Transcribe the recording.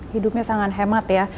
hidupnya sangat hemat ya